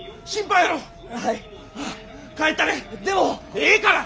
ええから！